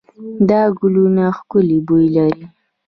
دا ګلونه ښکلې بوی لري.